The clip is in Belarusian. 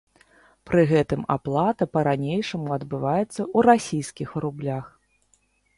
Пры гэтым аплата па-ранейшаму адбываецца ў расійскіх рублях.